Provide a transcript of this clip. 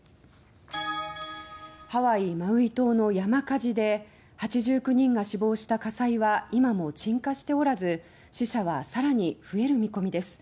ハワイ・マウイ島の山火事で８９人が死亡した火災は今も鎮火しておらず死者はさらに増える見込みです。